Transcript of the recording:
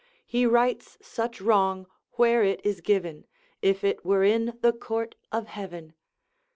He rights such wrong where it is given, If it were in the court of heaven.'